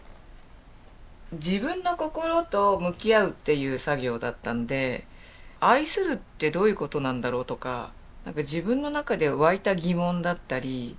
自分の心と向き合うっていう作業だったんで愛するってどういうことなんだろう？とか自分の中で湧いた疑問だったり。